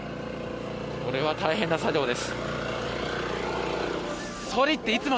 これは大変な作業です。